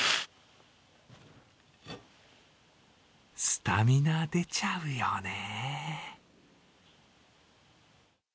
スタミナ出ちゃうよね。